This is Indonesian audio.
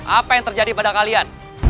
apa yang terjadi pada kalian